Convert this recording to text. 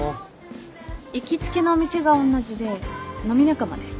行きつけのお店が同じで飲み仲間です。